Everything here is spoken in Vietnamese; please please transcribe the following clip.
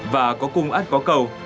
và có cung át có cầu